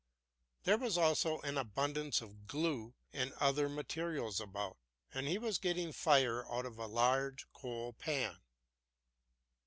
There was also an abundance of glue and other materials about, and he was getting fire out of a large coal pan.